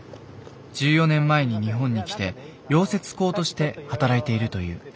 １４年前に日本に来て溶接工として働いているという。